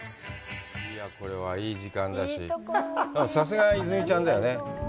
これはいい時間だし、さすが泉ちゃんだよね。